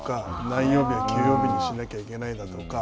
何曜日は休養日にしなきゃいけないだとか。